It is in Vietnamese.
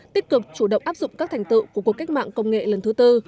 tích cực chủ động áp dụng các thành tựu của cuộc cách mạng công nghệ lần thứ tư